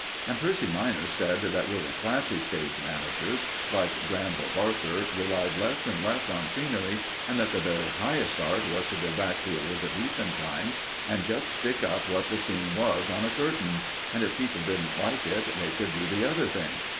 And Percy minor said that really classy stage managers, like Granville Barker, relied less and less on scenery, and that the very highest art was to go back to Elizabethan times, and just stick up what the scene was on a curtain; and if people didn't like it, they could do the other thing.